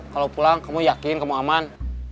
kalau pulang kamu yakin kamu aman